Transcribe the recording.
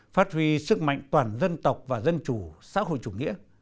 phát huy sức mạnh toàn dân tộc và dân chủ xã hội chủ nghĩa